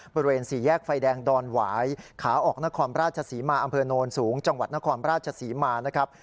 บริเวณสี่แยกไฟแดงดอนหวายขาออกนครราชศรีมาอำเภอโนนสูงจังหวัดนครราชศรีมานะครับ